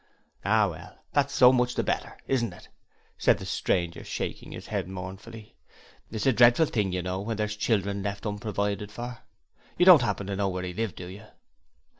'Ah, well, that's so much the better, isn't it?' said the stranger shaking his head mournfully. 'It's a dreadful thing, you know, when there's children left unprovided for. You don't happen to know where he lived, do you?'